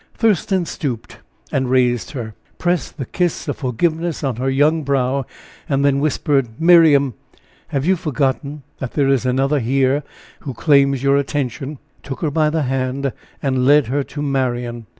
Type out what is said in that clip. Thurston stooped and raised her, pressed the kiss of forgiveness on her young brow, and then whispered: "Miriam, have you forgotten that there is another here who claims your attention?" took her by the hand and led her to Marian.